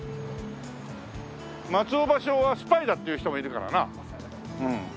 松尾芭蕉はスパイだっていう人もいるからな。